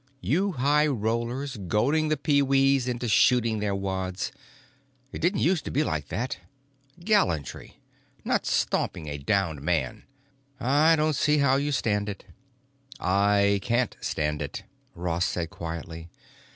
You high rollers goading the pee wees into shooting their wads—it didn't use to be like that. Gallantry. Not stomping a downed man. I don't see how you stand it." "I can't stand it," Ross said quietly.